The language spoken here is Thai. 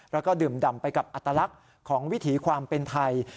แล้วก็ดื่มดำไปกับอัตลักษณ์ของวิถีความเป็นไทย